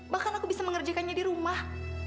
bahkan aku bisa mengerjakan dia di rumah